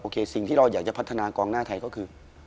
สิ่งที่เราอยากจะพัฒนากองหน้าไทยก็คือ